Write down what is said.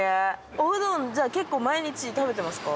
おうどん結構毎日食べてますか？